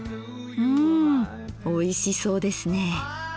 うんおいしそうですねえ。